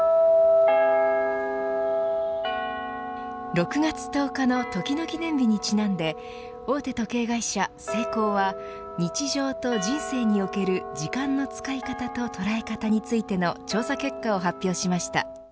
６月１０日の時の記念日にちなんで大手時計会社、セイコーは日常と人生における時間の使い方と捉え方についての調査結果を発表しました。